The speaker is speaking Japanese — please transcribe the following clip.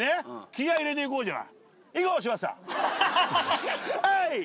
気合い入れていこうじゃあ。